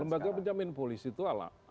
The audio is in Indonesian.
ya lembaga penjamin polis itu ala